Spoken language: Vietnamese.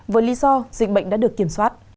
với lý do dịch bệnh đã được kiểm soát